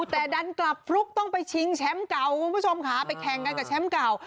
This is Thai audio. แต่ดันกลับฟลุกต้องไปชิงแชมป์เก่าคุณผู้ชมค่ะไปแข่งกันกับแชมป์เก่า